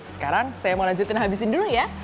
sekarang saya mau lanjutin habisin dulu ya